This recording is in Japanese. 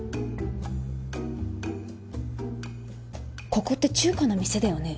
ここって中華の店だよね？